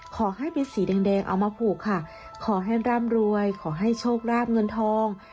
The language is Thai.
ขอให้เป็นสีแดงเอามาผูกค่ะขอให้ร่ำรวยขอให้โชคราบเงินทอง